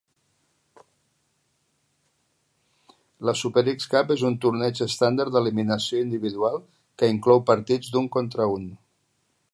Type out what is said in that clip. La Super X Cup és un torneig estàndard d'eliminació individual que inclou partits d'un contra un.